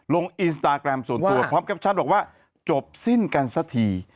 ลงอินสตาแกรมส่วนตัวพร้อมแคปชั่นบอกว่าจบสิ้นกันสักที